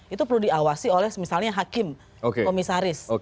itu perlu diawasi oleh misalnya hakim komisaris